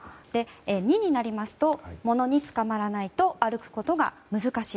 ２になりますと物につかまらないと歩くことが難しい。